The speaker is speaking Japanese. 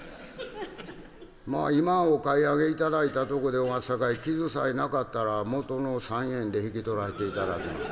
まあ今お買い上げ頂いたとこでおますさかい傷さえなかったらもとの３円で引き取らして頂きます」。